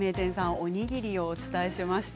おにぎりをお伝えしました。